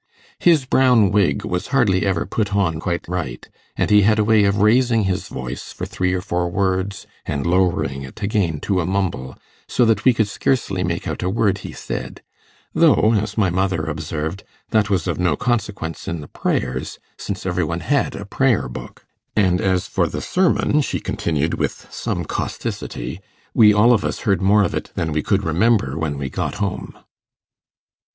His brown wig was hardly ever put on quite right, and he had a way of raising his voice for three or four words, and lowering it again to a mumble, so that we could scarcely make out a word he said; though, as my mother observed, that was of no consequence in the prayers, since every one had a prayer book; and as for the sermon, she continued with some causticity, we all of us heard more of it than we could remember when we got home.